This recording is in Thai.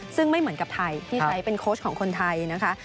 ซึ่งไม่เหมือนกับไทยที่ใช้เป็นโค้ชของคนไทยนะคะ